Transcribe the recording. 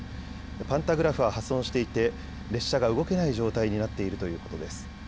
パンタグラフは破損していて列車が動けない状態になっているということです。